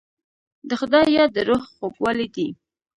د خدای یاد د روح خوږوالی دی.